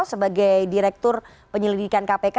sebagai direktur penyelidikan kpk